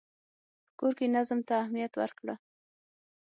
په کور کې نظم ته اهمیت ورکړه.